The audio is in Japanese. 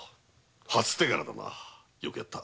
初手柄だなよくやった！